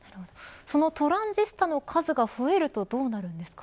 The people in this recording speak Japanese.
そのトランジスタの数が増えるとどうなるんですか。